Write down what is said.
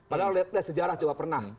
padahal lihat sejarah coba pernah